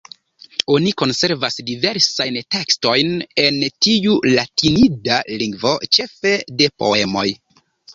Oni konservas diversajn tekstojn en tiu latinida lingvo, ĉefe de poemoj.